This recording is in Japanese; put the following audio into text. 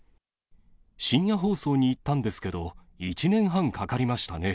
深夜放送に行ったんですけど、１年半かかりましたね。